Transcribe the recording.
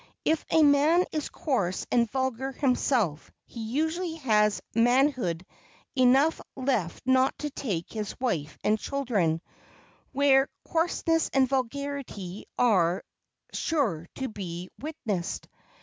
If a man is coarse and vulgar himself, he usually has manhood enough left not to take his wife and children where coarseness and vulgarity are sure to be witnessed.